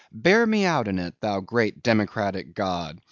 Bear me out in it, thou great democratic God!